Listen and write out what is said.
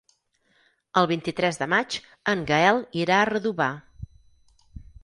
El vint-i-tres de maig en Gaël irà a Redovà.